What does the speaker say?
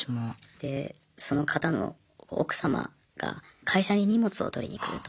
でその方の奥様が会社に荷物を取りに来ると。